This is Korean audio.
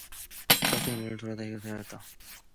그 학교 문을 돌아나올 때였다